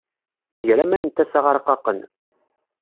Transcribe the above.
Iger aman n tasa aṛqaqen.